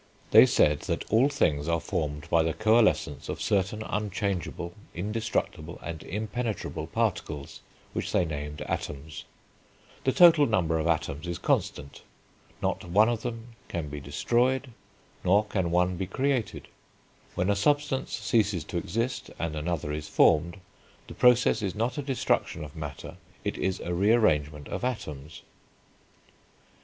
They said that all things are formed by the coalescence of certain unchangeable, indestructible, and impenetrable particles which they named atoms; the total number of atoms is constant; not one of them can be destroyed, nor can one be created; when a substance ceases to exist and another is formed, the process is not a destruction of matter, it is a re arrangement of atoms.